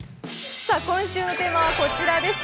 今週のテーマはこちらです。